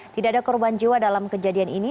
tidak ada korban jiwa dalam kejadian ini